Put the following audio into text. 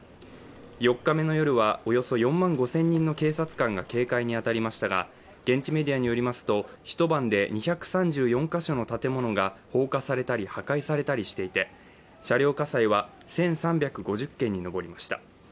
４日目の夜はおよそ４万５０００人の警察官が警戒に当たりましたが現地メディアによりますと、一晩で２３４か所の建物が放火されたり破壊されたりしていて、車両火災は１３５０件に上りました。